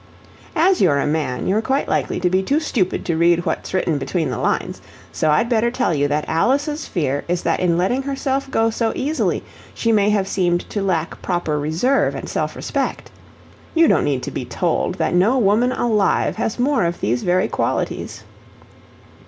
As you're a man, you're quite likely to be too stupid to read what's written between the lines; so I'd better tell you that Alice's fear is that in letting herself go so easily she may have seemed to lack proper reserve and self respect. You don't need to be told that no woman alive has more of these very qualities.